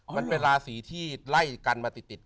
มันเป็นราศีที่ไล่กันมาติด